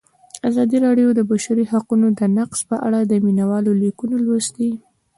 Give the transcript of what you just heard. ازادي راډیو د د بشري حقونو نقض په اړه د مینه والو لیکونه لوستي.